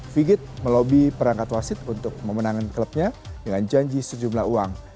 figit melobi perangkat wasit untuk memenangkan klubnya dengan janji sejumlah uang